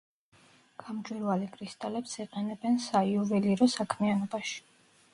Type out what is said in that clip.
გამჭვირვალე კრისტალებს იყენებენ საიუველირო საქმიანობაში.